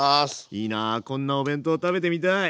いいなこんなお弁当食べてみたい！